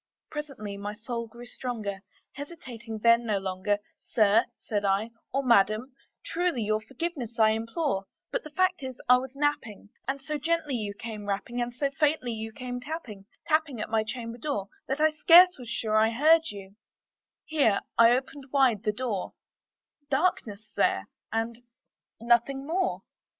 Presently my soul grew stronger; hesitating then no longer, "Sir," said I, "or Madam, truly your forgiveness I implore; But the fact is I was napping, and so gently you came rapping, And so faintly you came tapping tapping at my chamber door, That I scarce was sure I heard you;" here I opened wide the door: Darkness there, and nothing more.